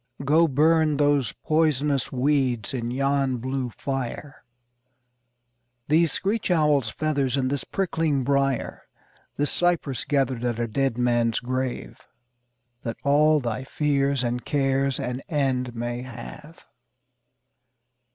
Go burn those poisonous weeds in yon blue fire, These screech owl's feathers and this prickling briar, This cypress gathered at a dead man's grave, That all thy fears and cares an end may have.